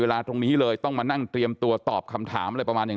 ตรงนี้เลยต้องมานั่งเตรียมตัวตอบคำถามอะไรประมาณอย่าง